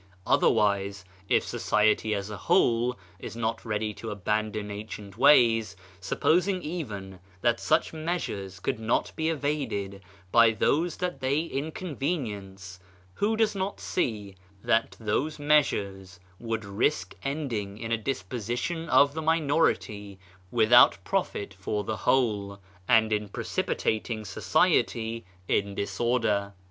Otherwise, if society as a whole is not ready to abandon ancient ways, supposing even that such measures could not be evaded by those that they inconvenience, who does not see that those measures would risk ending in a dispossession of the minority without profit for the whole, and in precipitating society in disorder